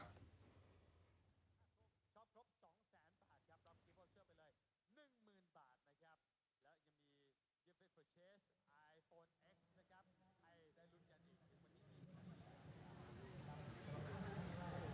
ต้องรบสองแสนบาทนะครับรอบที่บนเชื้อไปเลยหนึ่งหมื่นบาทนะครับ